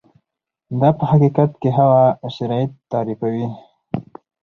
دا په حقیقت کې هغه شرایط تعریفوي.